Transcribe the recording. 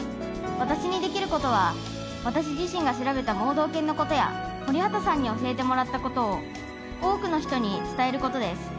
「私にできることは私自身が調べた盲導犬のことや森畑さんに教えてもらった事を多くの人に伝える事です」